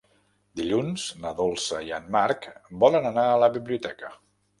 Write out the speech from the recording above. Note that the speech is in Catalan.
Dilluns na Dolça i en Marc volen anar a la biblioteca.